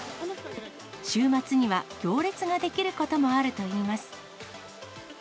週末には行列が出来ることもあるといいます。